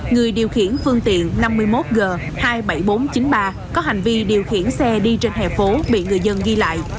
người điều khiển phương tiện năm mươi một g hai mươi bảy nghìn bốn trăm chín mươi ba có hành vi điều khiển xe đi trên hè phố bị người dân ghi lại